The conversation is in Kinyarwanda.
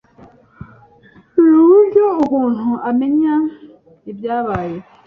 ni uburyo umuntu amenya ibyabaye